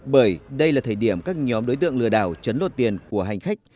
bởi đây là thời điểm các nhóm đối tượng lừa đảo chấn lột tiền của hành khách